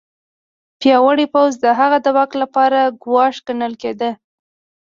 پیاوړی پوځ د هغه د واک لپاره ګواښ ګڼل کېده.